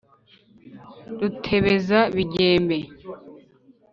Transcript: Rutebeza bigembe,